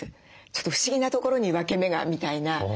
ちょっと不思議な所に分け目がみたいな。